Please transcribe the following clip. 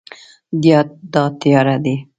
دا تیاره دی